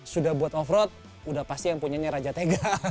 sudah buat off road udah pasti yang punyanya raja tega